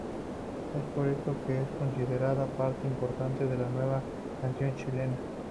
Es por esto que es considerada parte importante de la nueva canción chilena.